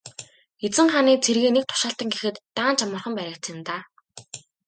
Эзэн хааны цэргийн нэг тушаалтан гэхэд даанч амархан баригдсан юм даа.